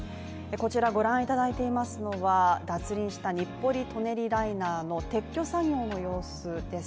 こちらご覧いただいていますのは、脱輪した日暮里舎人ライナーの撤去作業の様子です。